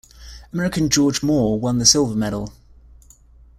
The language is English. American George Moore won the silver medal.